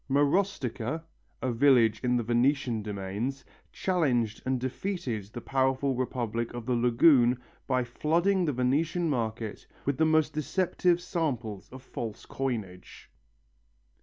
Marostica, a village in the Venetian domains, challenged and defeated the powerful Republic of the lagoon by flooding the Venetian market with the most deceptive samples of false coinage.